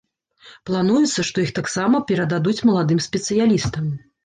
Плануецца, што іх таксама перададуць маладым спецыялістам.